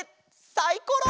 サイコロ！